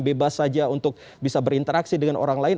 bebas saja untuk bisa berinteraksi dengan orang lain